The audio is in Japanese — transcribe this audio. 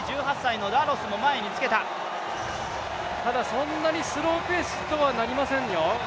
そんなスローペースにはなりませんよ。